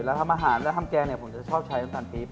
แล้วทำอาหารแล้วทำแกงเนี่ยผมจะชอบใช้น้ำตาลปี๊บ